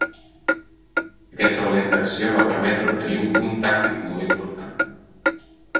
Aquesta valenta acció va permetre obtenir un punt tàctic molt important.